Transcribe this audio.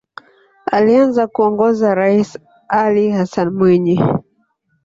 Alianza kuongoza raisi Ali Hassan Mwinyi